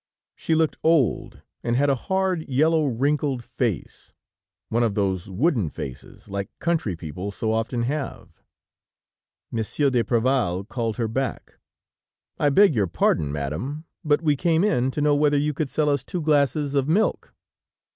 She looked old, and had a hard, yellow, wrinkled face, one of those wooden faces like country people so often have. Monsieur d'Apreval called her back. "I beg your pardon, Madame, but we came in to know whether you could sell us two glasses of milk."